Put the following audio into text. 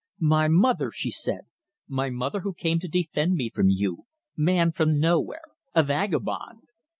"My mother," she said, "my mother who came to defend me from you man from nowhere; a vagabond!"